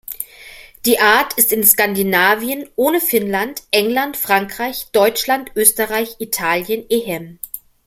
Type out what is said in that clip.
Die Art ist in Skandinavien ohne Finnland, England, Frankreich, Deutschland, Österreich, Italien, ehem.